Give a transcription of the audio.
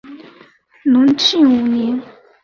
隆庆五年。